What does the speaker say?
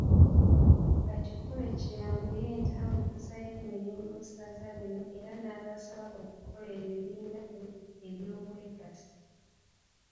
Bakikole kiyanguye entambuza y'emirimu mu ssaza lino era n'abasaba okukola ebibiina eby'obwegassi